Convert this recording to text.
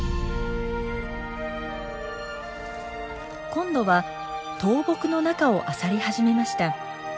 今度は倒木の中をあさり始めました。